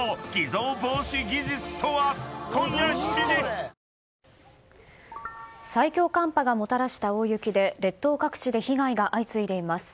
東京海上日動最強寒波がもたらした大雪で列島各地で被害が相次いでいます。